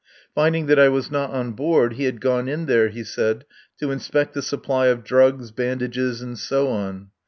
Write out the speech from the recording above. Finding that I was not on board he had gone in there, he said, to inspect the supply of drugs, bandages, and so on.